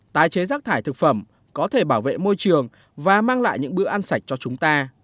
tái chế rác thải thực phẩm có thể bảo vệ môi trường và mang lại những bữa ăn sạch cho chúng ta